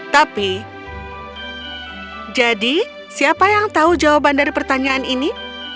tapi jadi siapa yang tahu jawaban dari pertanyaan ini